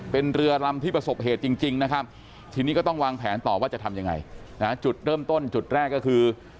เป็นเรือลำที่ประสบเหตุจริงนะครับทีนี้ก็ต้องวางแผนต่อว่าจะทำยังไงนะจุดเริ่มต้นจุดแรกก็คือ